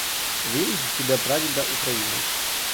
Він з діда-прадіда українець.